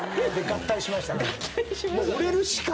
合体しましたね。